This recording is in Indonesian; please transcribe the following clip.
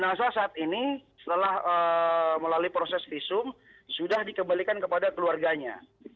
jenazah saat ini setelah melalui proses visum sudah dikembalikan kepada keluarganya